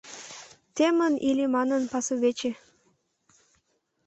Темын иле манын, пасувече